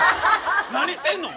何してんの？